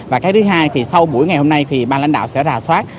và cái thứ hai thì sau buổi ngày hôm nay thì ban lãnh đạo sẽ rà soát